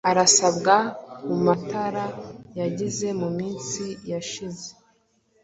Arasabwa kumatara yagize muminsi yashize